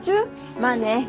まあね。